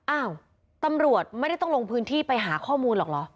อ้าวตำรวจไม่ได้ต้องลงพื้นที่ไปหาข้อมูลหรอกเหรอ